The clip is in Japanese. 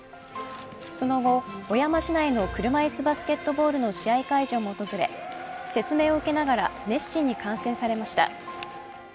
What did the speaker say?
その後、小山市内の車いすバスケットボールの試合会場も訪れ説明を受けながら熱心に観戦されました。